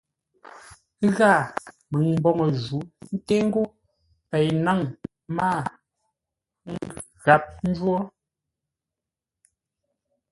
Ghâa, məŋ mboŋə jǔ ńté ńgó pei náŋ mâa gháp jwô.